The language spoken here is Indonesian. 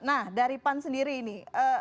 nah dari pan sendiri ini